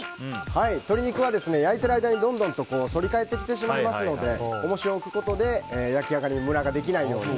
鶏肉は焼いている間にどんどんと反り返ってきてしまいますのでおもしを置くことで焼き上がりにムラができないように。